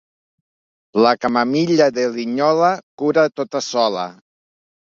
La camamilla de Linyola cura tota sola.